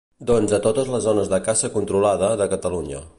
Doncs a totes les zones de caça controlada de Catalunya.